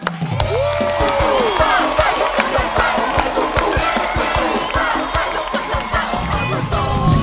หน้า